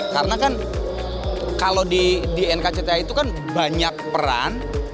karena kan kalau di nkcthi itu kan banyak peran